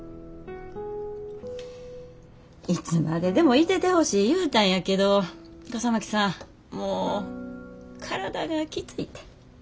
いつまででもいててほしい言うたんやけど笠巻さんもう体がきついて。